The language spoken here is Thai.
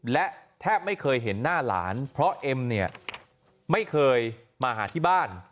และแทบไม่เคยเห็นหน้าหลานเพราะเอ็มเนี่ยไม่เคยมาหาที่บ้าน